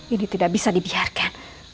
ini tidak bisa dibiarkan